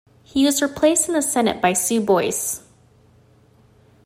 He was replaced in the Senate by Sue Boyce.